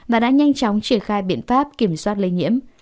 và đã nhanh chóng triển khai biện pháp kiểm soát lây nhiễm